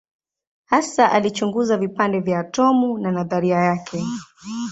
Hasa alichunguza vipande vya atomu na nadharia yake.